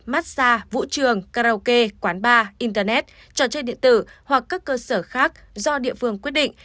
massage vũ trường karaoke quán bar internet trò chơi điện tử hoặc các cơ sở khác do địa phương quyết định